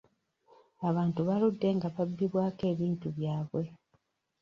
Abantu baludde nga babbibwako ebintu byabwe.